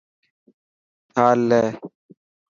ٿال لي .